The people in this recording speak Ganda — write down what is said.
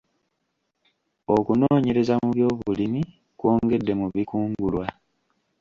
Okunoonyeraza mu byobulimi kwongedde mu bikungulwa.